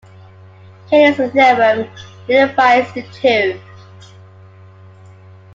Cayley's theorem unifies the two.